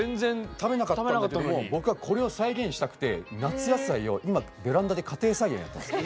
食べなかったんだけども僕はこれを再現したくて夏野菜を今ベランダで家庭菜園やってます。